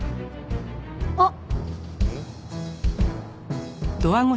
あっ！